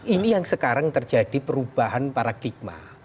ini yang sekarang terjadi perubahan paradigma